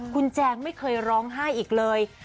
คุณแจงไม่เคยร้องไห้อีกเลย